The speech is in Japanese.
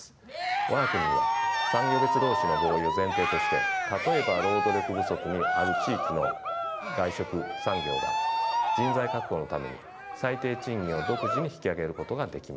我が国には産業別労使の合意を前提として例えば労働力不足にある地域の外食産業が人材確保のために最低賃金を独自に引き上げることができます。